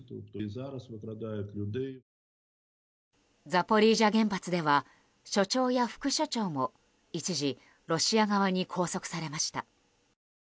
ザポリージャ原発では所長や副所長も一時、ロシア側に拘束されました。